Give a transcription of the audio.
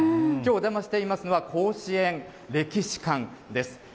きょう、お邪魔していますのは、甲子園歴史館です。